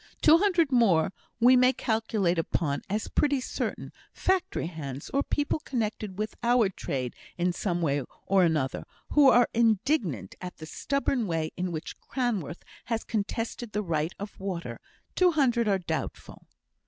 Two hundred more we may calculate upon as pretty certain factory hands, or people connected with our trade in some way or another who are indignant at the stubborn way in which Cranworth has contested the right of water; two hundred are doubtful."